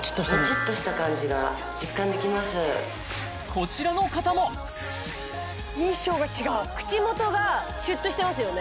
こちらの方も印象が違う口元がシュッとしてますよね